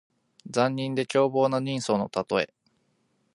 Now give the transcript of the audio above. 残忍で凶暴な人相のたとえ。